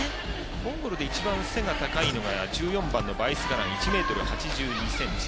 モンゴルで一番背が高いのが１４番のバイスガラン１ｍ８２ｃｍ。